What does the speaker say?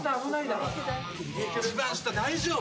・一番下大丈夫？